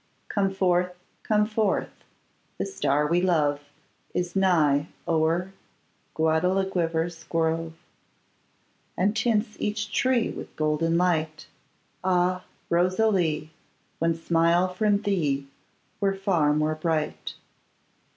Come forth, come forth, the star we love Is high o'er Guadalquivir's grove, And tints each tree with golden light; Ah! Rosalie, one smile from thee were far more bright.